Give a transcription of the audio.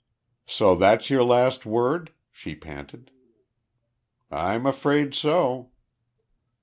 "So that's your last word?" she panted. "I'm afraid so."